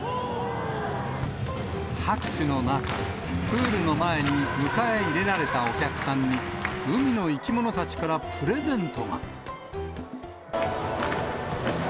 拍手の中、プールの前に迎え入れられたお客さんに、海の生き物たちからプレゼントが。